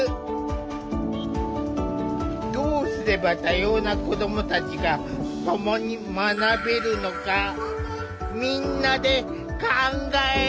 どうすれば多様な子どもたちがともに学べるのかみんなで考える！